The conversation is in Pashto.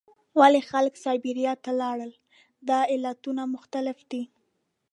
ولې خلک سابیریا ته لاړل؟ دا علتونه مختلف دي.